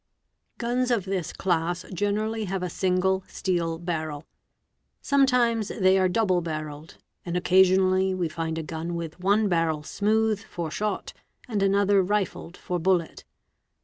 Nac Ie SS MODEL 1886 Guns of this class generally have a single steel barrel; sometimes they — are double barrelled ; and occasionally we find a gun with one barrel smooth for shot and the other rifled for bullet.